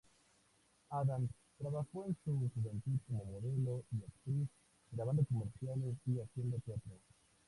Addams trabajó en su juventud como modelo y actriz, grabando comerciales y haciendo teatro.